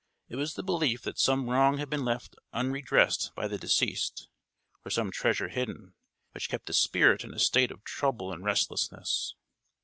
It was the belief that some wrong had been left unredressed by the deceased, or some treasure hidden, which kept the spirit in a state of trouble and restlessness.